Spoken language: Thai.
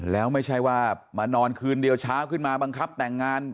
แล้วไม่ใช่ว่ามานอนคืนเดียวเช้าขึ้นมาบังคับแต่งงาน